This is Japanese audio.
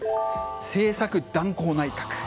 政策断行内閣。